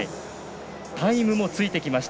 タイムもついてきました。